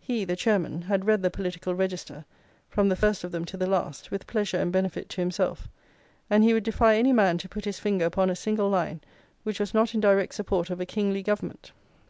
He (the Chairman) had read the Political Register, from the first of them to the last, with pleasure and benefit to himself, and he would defy any man to put his finger upon a single line which was not in direct support of a kingly government.